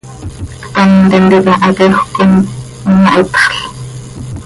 Ctam tintica haquejöc com imahitxl.